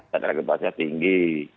dan rekenpahannya tinggi